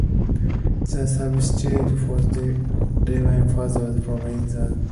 The substitute for the divine father was probably the divine son.